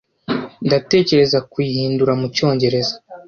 Ndatekereza kuyihindura mucyongereza.